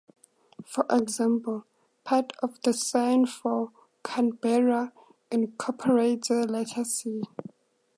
For example, part of the sign for "Canberra" incorporates the letter "C".